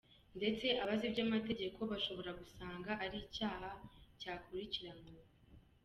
Ndetse abazi iby’amategeko bashobora gusanga ari icyaha cyakurikiranwa.